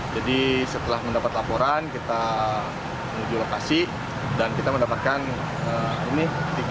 jadi setelah mendapat laporan kita menuju lokasi dan kita mendapatkan ini